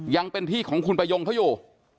ยังเป็นที่ของคุณประยงเขาอยู่